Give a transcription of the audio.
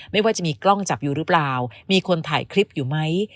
ไม่ว่าจะมีกล้องจับอยู่หรือเปล่ามีคนถ่ายคลิปอยู่ไหม